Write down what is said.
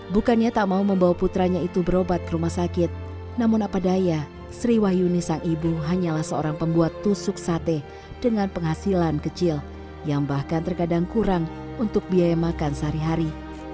bukannya tak mau membawa putranya itu berobat ke rumah sakit namun apa daya sriwayuni sang ibu hanyalah seorang pembuat tusuk sate dengan penghasilan kecil yang bahkan terkadang kurang untuk biaya makan sehari hari